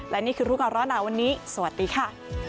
และนี่คือรู้ก่อนร้อนหนาวันนี้สวัสดีค่ะ